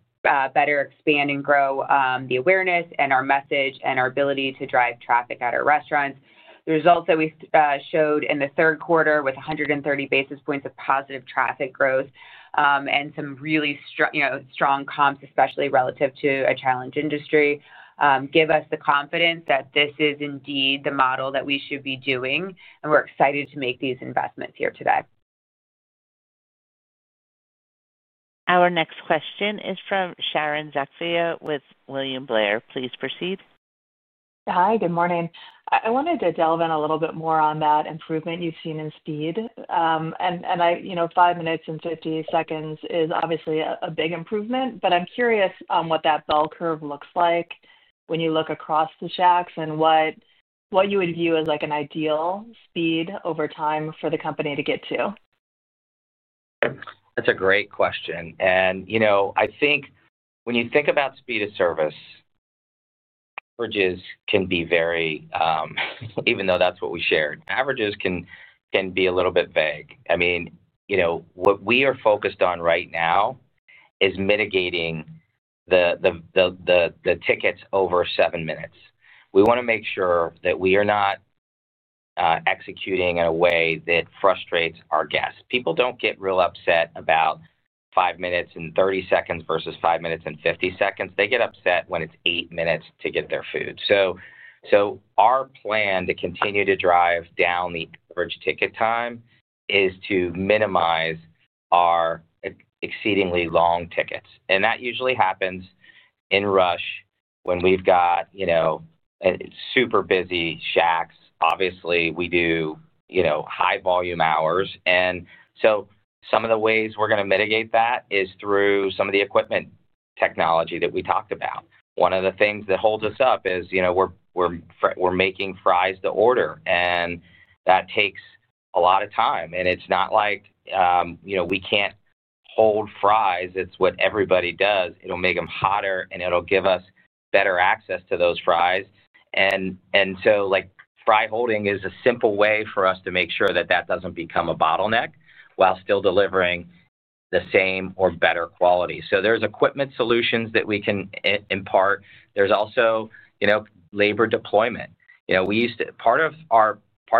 better expand and grow the awareness and our message and our ability to drive traffic at our restaurants. The results that we showed in the third quarter, with 130 basis points of positive traffic growth and some really strong comps, especially relative to a challenged industry, give us the confidence that this is indeed the model that we should be doing. We're excited to make these investments here today. Our next question is from Sharon Zackfia with William Blair. Please proceed. Hi. Good morning. I wanted to delve in a little bit more on that improvement you've seen in speed and five minutes and 50 seconds is obviously a big improvement. I'm curious on what that bell curve looks like when you look across the shacks and what you would view as like an ideal speed over time for the company to get to. That's a great question. I think when you think about speed of service, averages can be very vague. Even though that's what we shared, averages can be a little bit vague. What we are focused on right now is mitigating the tickets over seven minutes. We want to make sure that we are not executing in a way that frustrates our guests. People do not get real upset about five minutes and 30 seconds versus five minutes and 50 seconds. They get upset when it's eight minutes to get their food. Our plan to continue to drive down the ticket time is to minimize our exceedingly long tickets. That usually happens in rush when we have super busy shacks. Obviously, we do high volume hours. Some of the ways we are going to mitigate that is through some of the equipment technology that we talked about. One of the things that holds us up is we are making fries to order and that takes a lot of time. It's not like we cannot hold fries. It's what everybody does. It will make them hotter and it will give us better access to those fries. Fry holding is a simple way for us to make sure that does not become a bottleneck while still delivering the same or better quality. There are equipment solutions that we can impart. There is also labor deployment. Part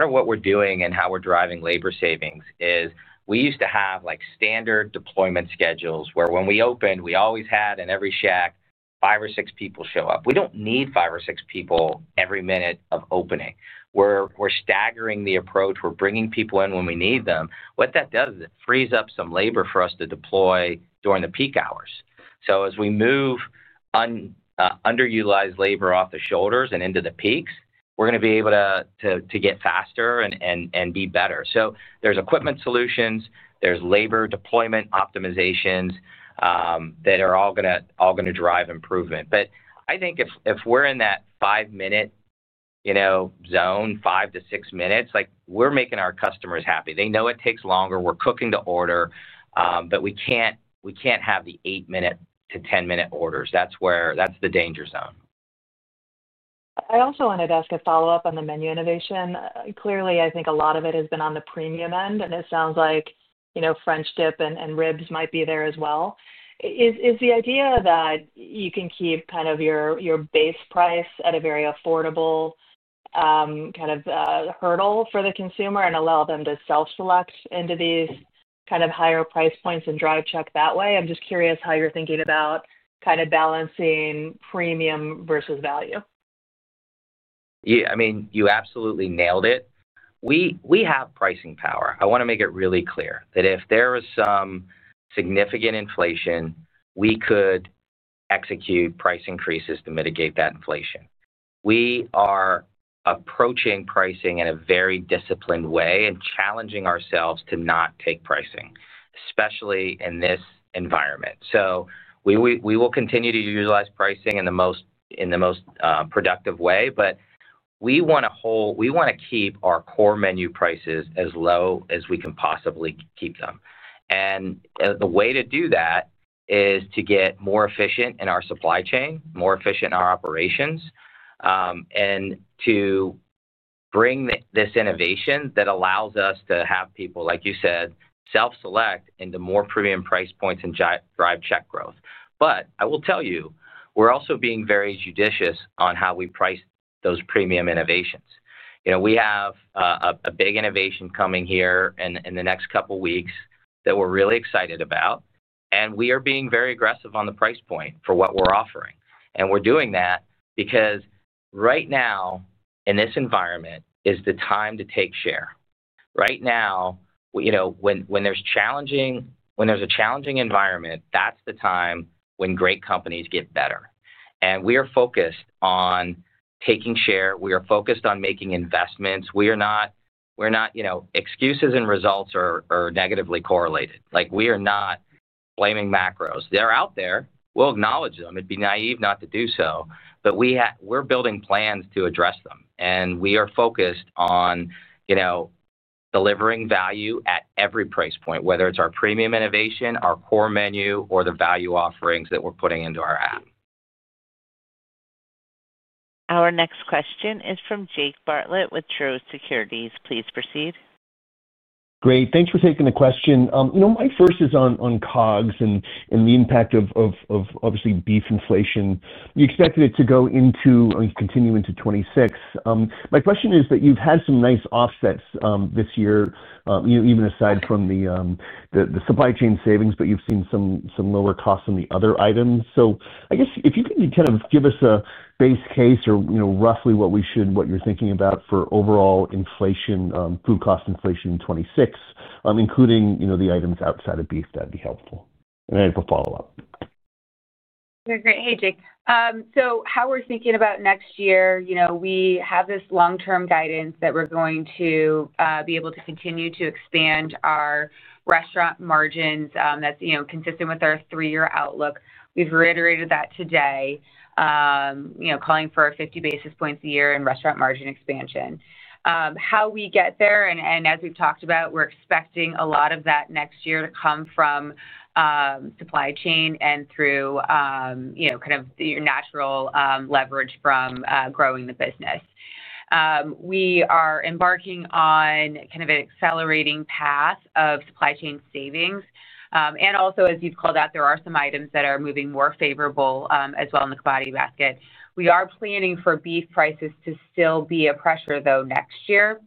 of what we are doing and how we are driving labor savings is we used to have standard deployment schedules where when we opened we always had in every shack, five or six people show up. We do not need five or six people every minute of opening. We are staggering the approach. We are bringing people in when we need them. What that does is it frees up some labor for us to deploy during the peak hours. As we move underutilized labor off the shoulders and into the peaks, we are going to be able to get faster and be better. There are equipment solutions and labor deployment optimizations that are all going to drive improvement. I think if we are in that five minute zone, five to six minutes, we are making our customers happy. They know it takes longer. We are cooking to order, but we cannot have the eight minute to 10 minute orders. That is the danger zone. I also wanted to ask a follow-up on the menu innovation. Clearly, I think a lot of it has been on the premium end, and it sounds like French dip and ribs might be there as well. Is the idea that you can keep kind of your base price at a very affordable kind of hurdle for the consumer and allow them to self-select into these kind of higher price points and drive check that way? I'm just curious how you're thinking about kind of balancing premium versus value. I mean, you absolutely nailed it. We have pricing power. I want to make it really clear that if there is some significant inflation, we could execute price increases to mitigate that inflation. We are approaching pricing in a very disciplined way and challenging ourselves to not take pricing, especially in this environment. We will continue to utilize pricing in the most productive way. We want to hold, we want to keep our core menu prices as low as we can possibly keep them. The way to do that is to get more efficient in our supply chain, more efficient in our operations, and to bring this innovation that allows us to have people, like you said, self-select into more premium price points and drive check growth. I will tell you, we're also being very judicious on how we price those premium innovations. We have a big innovation coming here in the next couple weeks that we're really excited about and we are being very aggressive on the price point for what we're offering. We're doing that because right now in this environment is the time to take share. Right now, when there's a challenging environment, that's the time when great companies get better. We are focused on taking share. We are focused on making investments. We're not excuses and results are negatively correlated. We are not blaming macros. They're out there, we'll acknowledge them. It'd be naive not to do so, but we're building plans to address them. We are focused on delivering value at every price point, whether it's our premium innovation, our core menu, or the value offerings that we're putting into our app. Our next question is from Jake Bartlett with Truist Securities. Please proceed. Great. Thanks for taking the question. My first is on COGS and the impact of obviously beef inflation. You expected it to continue into 2026. My question is that you've had some nice offsets this year, even aside from the supply chain savings, but you've seen some lower costs on the other items. I guess if you can kind of give us a base case or what you're thinking about for overall inflation, food cost inflation in 2026, including the items outside of beef, that'd be helpful. Then as a follow up, great. Hey, Jake, so how we're thinking about next year, you know, we have this long-term guidance that we're going to be able to continue to expand our restaurant margins that's, you know, consistent with our three-year outlook. We've reiterated that today, calling for 50 basis points a year in restaurant margin expansion. How we get there, as we've talked about, we're excited, expecting a lot of that next year to come from supply chain and through kind of your natural leverage from growing the business. We are embarking on kind of an accelerating path of supply chain savings. Also, as you've called out, there are some items that are moving more favorable as well in the commodity basket. We are planning for beef prices to still be a pressure though next year,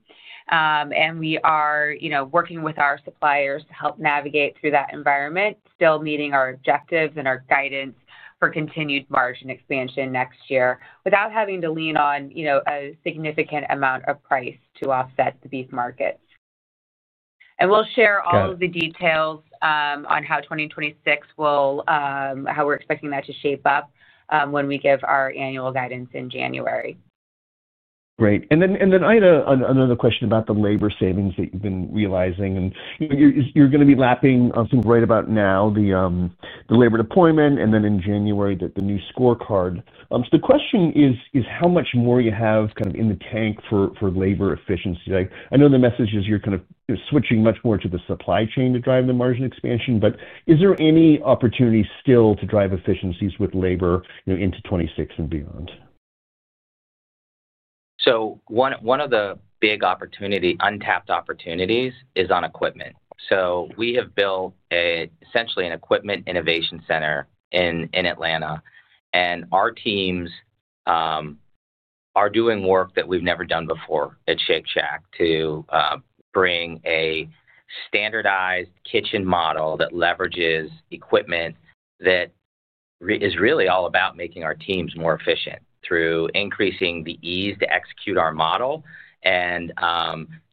and we are working with our suppliers to help navigate through that environment, still meeting our objectives and our guidance for continued margin expansion next year without having to lean on a significant amount of price to offset the beef market. We'll share all of the details on how 2026 will, how we're expecting that to shape up when we give our annual guidance in January. Great. I had another question about the labor savings that you've been realizing and you're going to be lapping right about now, the labor deployment and then in January, the new scorecard. The question is how much more you have kind of in the tank for labor efficiency. I know the message is you're kind of switching much more to the supply chain to drive the margin expansion, but is there any opportunity still to drive efficiencies with labor into 2026 and beyond? One of the big untapped opportunities is on equipment. We have built essentially an equipment innovation center in Atlanta. Our teams are doing work that we've never done before at Shake Shack to bring a standardized kitchen model that leverages equipment that is really all about making our teams more efficient through increasing the ease to execute our model and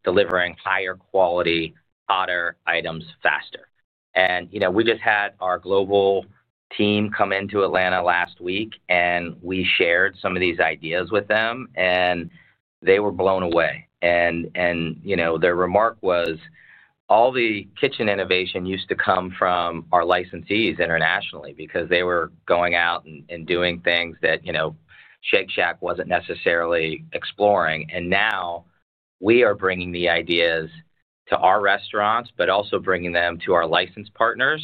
delivering higher quality, hotter items faster. We just had our global team come into Atlanta last week and we shared some of these ideas with them and they were blown away. Their remark was all the kitchen innovation used to come from our licensees internationally because they were going out and doing things that Shake Shack wasn't necessarily exploring. Now we are bringing the ideas to our restaurants, but also bringing them to our license partners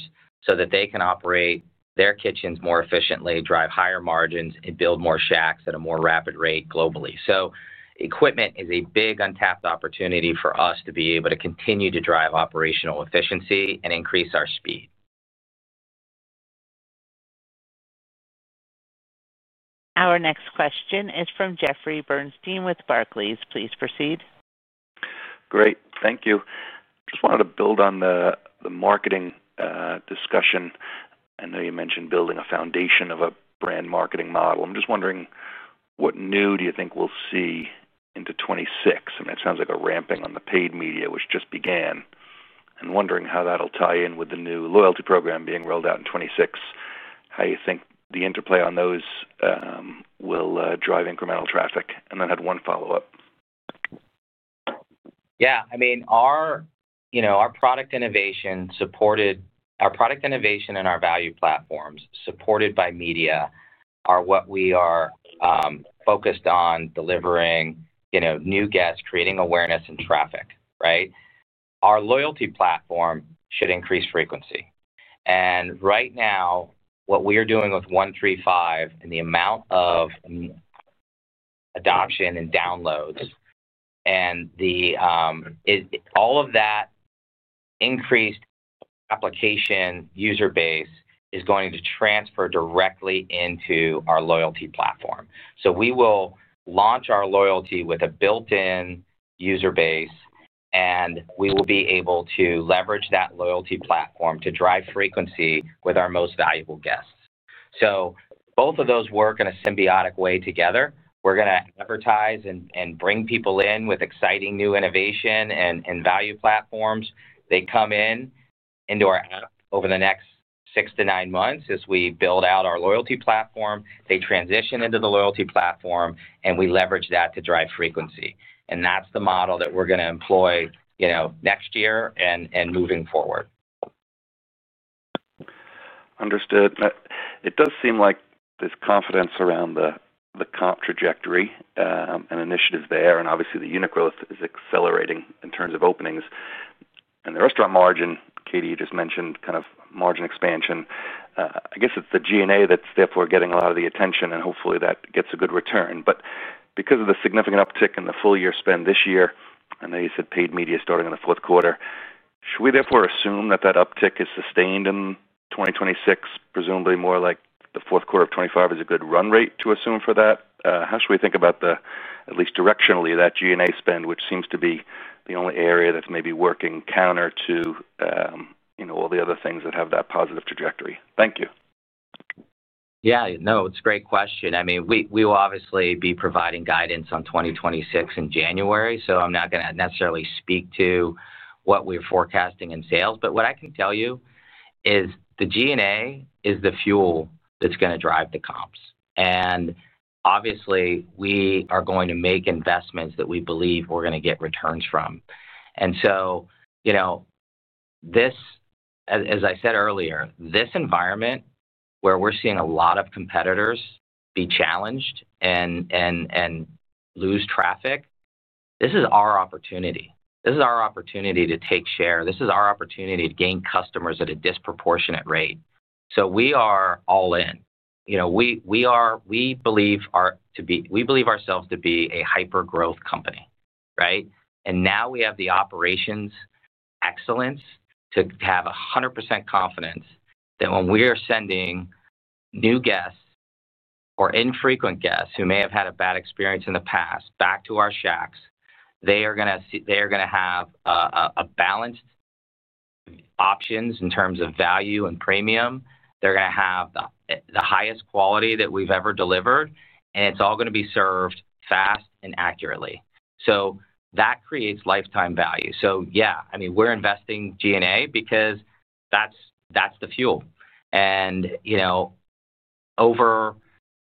so that they can operate their kitchens more efficiently, drive higher margins and build more shacks at a more rapid rate globally. Equipment is a big untapped opportunity for us to be able to continue to drive operational efficiency and increase our speed. Our next question is from Jeffrey Bernstein with Barclays. Please proceed. Great, thank you. Just wanted to build on the marketing discussion. I know you mentioned building a foundation of a brand marketing model. I'm just wondering what new do you think we'll see into 2026? It sounds like a ramping on the paid media which just began and wondering how that will tie in with the new loyalty platform being rolled out in 2026. How you think the interplay on those will drive incremental traffic and then had one follow up. Yeah, I mean our product innovation and our value platforms supported by media are what we are focused on. Delivering new guests, creating awareness and traffic. Right. Our loyalty platform should increase frequency and right now what we are doing with 1-3-5 and the amount of adoption and downloads and all of that increased application user base is going to transfer directly into our loyalty platform. We will launch our loyalty with a built-in user base and we will be able to leverage that loyalty platform to drive frequency with our most valuable guests. Both of those work in a symbiotic way. Together we're going to advertise and bring people in with exciting new innovation and value platforms. They come in into our app over the next six to nine months. As we build out our loyalty platform, they transition into the loyalty platform and we leverage that to drive frequency and that's the model that we're going to employ next year and moving forward. Understood. It does seem like there's confidence around the comp trajectory and initiatives there and obviously the unit growth is accelerating in terms of openings and the restaurant margin. Katie, you just mentioned kind of margin expansion. I guess it's the G&A that's therefore getting a lot of the attention and hopefully that gets a good return. Because of the significant uptick in the full year spend this year, I know you said paid media starting in the fourth quarter. Should we therefore assume that that uptick is sustained in 2026? Presumably more like fourth quarter, 2025 is a good run rate to assume for that. How should we think about at least directionally that G&A spend, which seems to be the only area that's maybe working counter to all the other things that have that positive trajectory. Thank you. Yeah, no, it's a great question. I mean, we will obviously be providing guidance on 2026 in January. I'm not going to necessarily speak to what we're forecasting in sales. What I can tell you is the G&A is the fuel that's going to drive the comps. Obviously, we are going to make investments that we believe we're going to get returns from. As I said earlier, this environment where we're seeing a lot of competitors be challenged and lose traffic, this is our opportunity. This is our opportunity to take share. This is our opportunity to gain customers at a disproportionate rate. We are all in. We believe ourselves to be a hyper growth company. Right now we have the operations excellence to have 100% confidence that when we are sending new guests or infrequent guests who may have had a bad experience in the past back to our shacks, they are going to have balanced options in terms of value and premium. They're going to have the highest quality that we've ever delivered, and it's all going to be served fast and accurately. That creates lifetime value. Yeah, we're investing G&A because that's the fuel.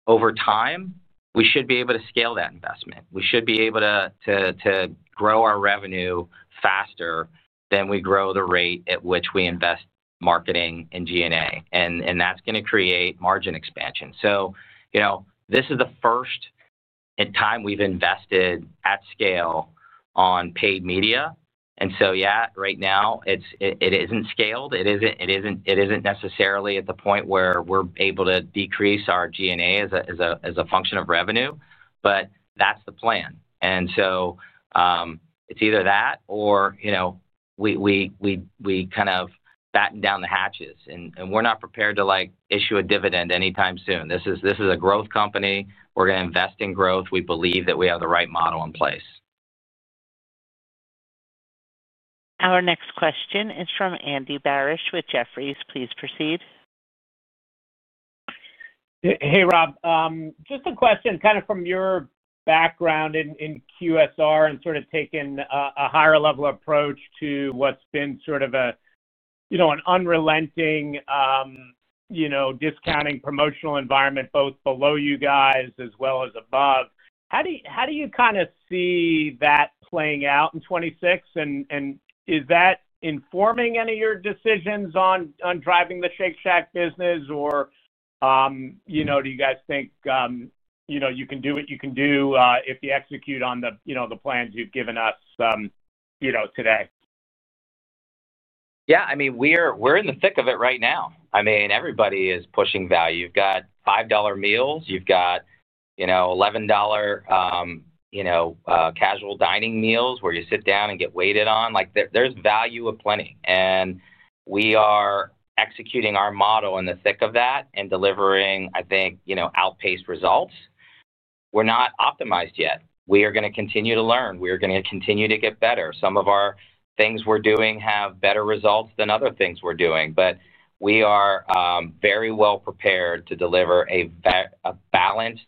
Over time we should be able to scale that investment. We should be able to grow our revenue faster than we grow the rate at which we invest marketing and G&A, and that's going to create margin expansion. This is the first time we've invested at scale on paid media. Right now it isn't scaled. It isn't necessarily at the point where we're able to decrease our G&A as a function of revenue, but that's the plan. It's either that or we kind of batten down the hatches, and we're not prepared to issue a dividend anytime soon. This is a growth company. We're going to invest in growth. We believe that we have the right model in place. Our next question is from Andy Barish with Jefferies. Please proceed. Hey Rob, just a question. Kind of from your background in QSR and sort of taking a higher level approach to what's been an unrelenting discounting promotional environment both below you guys as well as above, how do you, how. Do you kind of see that playing? Out in 2026 and is that informing any of your decisions on driving the Shake Shack business? Or do you guys think you can do what you can do if you execute on the plans you've given us today? Yeah. I mean, we're in the thick of it right now. I mean, everybody is pushing value. You've got $5 meals, you've got $11 casual dining meals where you sit down and get waited on, like, there's value aplenty. We are executing our model in the thick of that and delivering, I think, outpaced results. We're not optimized yet. We are going to continue to learn. We are going to continue to get better. Some of the things we're doing have better results than other things we're doing. We are very well prepared to deliver a balanced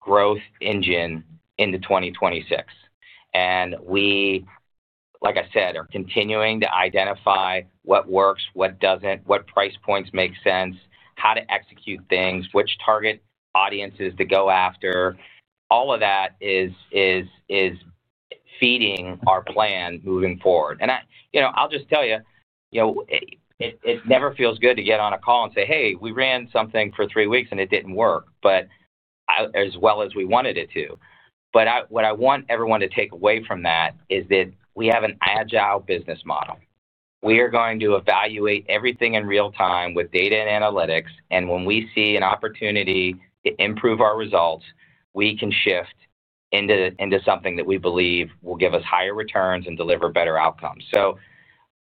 growth engine into 2026. Like I said, we are continuing to identify what works, what doesn't, what price points make sense, how to execute things, which target audiences to go after. All of that is feeding our plan moving forward. I'll just tell you, it never feels good to get on a call and say, hey, we ran something for three weeks and it didn't work as well as we wanted it to. What I want everyone to take away from that is that we have an agile business model. We are going to evaluate everything in real time with data and analytics. When we see an opportunity to improve our results, we can shift into something that we believe will give us higher returns and deliver better outcomes.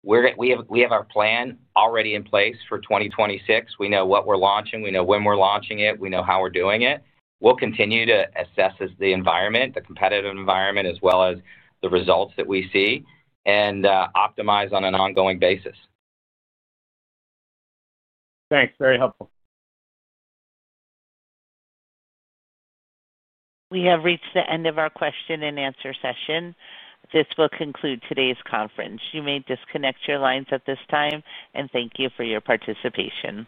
We have our plan already in place for 2026. We know what we're launching, we know when we're launching it, we know how we're doing it. We'll continue to assess the environment, the competitive environment, as well as the results that we see and optimize on an ongoing basis. Thanks. Very helpful. We have reached the end of our question and answer session. This will conclude today's conference. You may disconnect your lines at this time, and thank you for your participation.